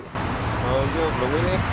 kalau gue beli ini